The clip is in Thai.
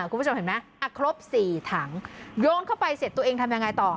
คุณผู้ชมเห็นไหมอ่ะครบ๔ถังโยนเข้าไปเสร็จตัวเองทำยังไงต่อ